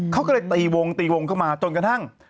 เขาก็เลยตีวงตีวงเข้ามาจนกระทั่ง